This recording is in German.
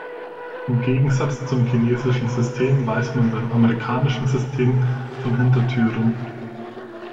Im Gegensatz zum chinesischen System, weiß man beim amerikanischen System von Hintertüren.